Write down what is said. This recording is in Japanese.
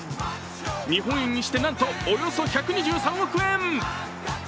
日本円にして、なんとおよそ１２３億円！